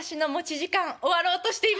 終わろうとしています。